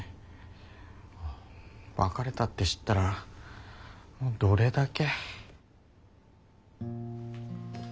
別れたって知ったらどれだけ。